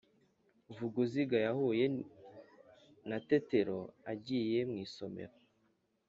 Vuguziga yahuye na Tetero agiye mu isomero.